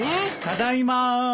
ただいま。